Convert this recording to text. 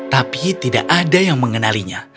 tapi tidak ada yang mengenalinya